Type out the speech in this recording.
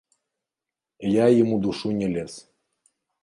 Я ім у душу не лез.